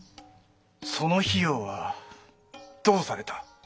その費用はどうされた？